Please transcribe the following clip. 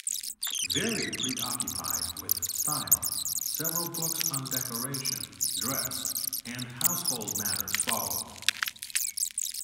Very preoccupied with style, several books on decoration, dress, and household matters followed.